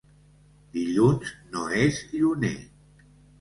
Dilluns no és lluner.